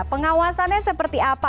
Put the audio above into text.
pengawasannya seperti apa